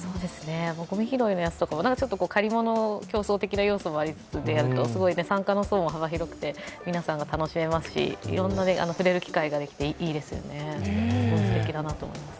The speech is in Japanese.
ごみ拾いのやつとか借り物競争的な要素もありつつやるとすごい参加の層も幅広くて皆さんが楽しめますし、いろんな触れる機会があっていいですよね。